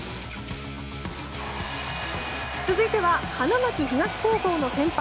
続いては花巻東高校の先輩